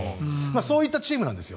そういったチームなんです。